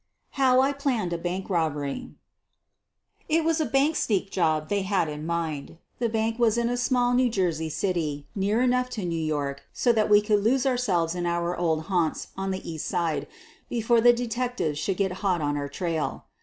HOW I PLANNED A BANK ROBBERY It was a "bank Sneak'* job they had in mind. The bank was in a small New Jersey city, near enough to New York so that we could lose ourselves QUEEN OF THE BURGLARS 29 in our old haunts on the East Side before the de tectives should get hot on our trail.